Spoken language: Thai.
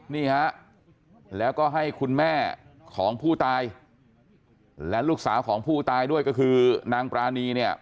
นี่ฮะแล้วก็ให้คุณแม่ของผู้ตายและลูกสาวของผู้ตายด้วยก็คือนางปรานีเนี่ย